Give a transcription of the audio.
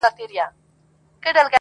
o د لښکر په شا کي ځه، په سر کې راځه٫